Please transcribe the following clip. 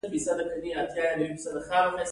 کړنې له مخکې تنظیم شوو معیارونو سره پرتله کیږي.